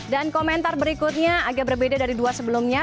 dan komentar berikutnya agak berbeda dari dua sebelumnya